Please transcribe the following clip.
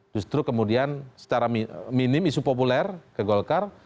justru kemudian secara minim isu populer ke golkar